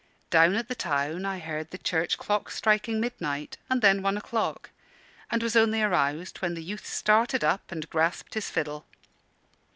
Down at the town I heard the church clock striking midnight, and then one o'clock; and was only aroused when the youth started up and grasped his fiddle.